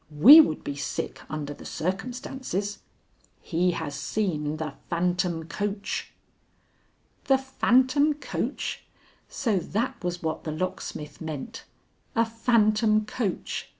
We would be sick under the circumstances. He has seen the phantom coach." The phantom coach! So that was what the locksmith meant. A phantom coach!